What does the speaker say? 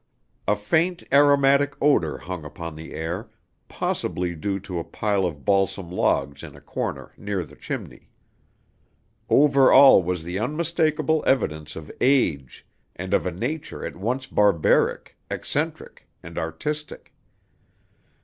A faint aromatic odor hung upon the air, possibly due to a pile of balsam logs in a corner near the chimney. Over all was the unmistakable evidence of age, and of a nature at once barbaric, eccentric, and artistic.